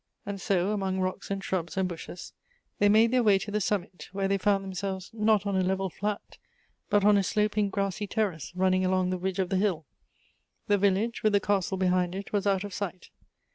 And so, among rocks, and shrubs, and bushes, they made their way to the summit, where they found them selves, not on a level flat, but on a sloping grassy terrace, running along the ridge of the hill. The village with the castle behind it, was out of sight.